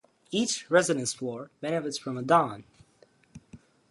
Each residence floor benefits from a don.